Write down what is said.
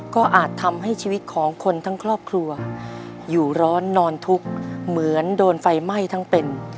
ก็อาจทำให้ชีวิตของคนทั้งครอบครัวอยู่ร้อนนอนทุกข์เหมือนโดนไฟไหม้ทั้งเป็น